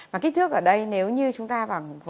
mà kích thước ở đây nếu như chúng ta bảo